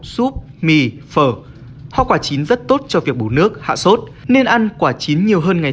súp mì phở hoa quả chín rất tốt cho việc bù nước hạ sốt nên ăn quả chín nhiều hơn ngày